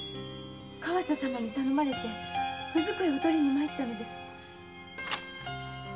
川瀬様に頼まれて文机を取りに参ったのです。